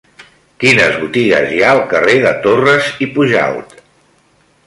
Quines botigues hi ha al carrer de Torras i Pujalt?